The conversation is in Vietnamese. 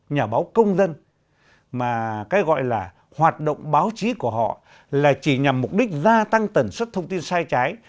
nhà báo công dân mà cái gọi là hoạt động báo chí của họ là chỉ nhằm mục đích gia tăng tần suất thông tin sai trái